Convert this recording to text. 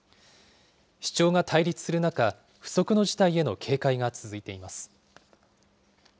主張が対立する中、不測の事態への警戒が続いています。